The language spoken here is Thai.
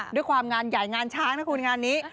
ด้วยความงานใหญ่งานช้างนะคุณงานนี้